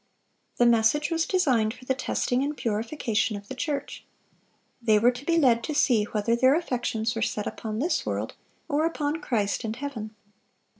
The message was designed for the testing and purification of the church. They were to be led to see whether their affections were set upon this world or upon Christ and heaven.